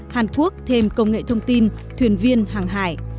hàn quốc thêm công nghệ thông tin thuyền viên hàng hải